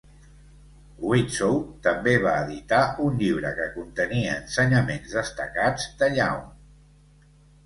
Widtsoe també va editar un llibre que contenia ensenyaments destacats de Young.